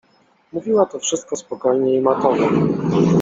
Mówiła to wszystko spokojnie i matowo.